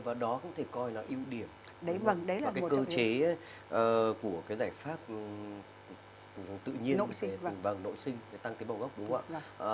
và đó cũng có thể coi là ưu điểm và cơ chế của cái giải pháp tự nhiên và nội sinh để tăng tế bào gốc đúng không ạ